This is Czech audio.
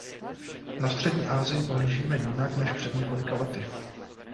Na střední Asii pohlížíme jinak než před několika lety.